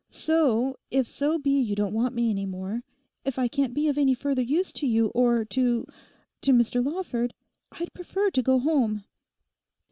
So if so be you don't want me any more; if I can't be of any further use to you or to—to Mr. Lawford, I'd prefer to go home.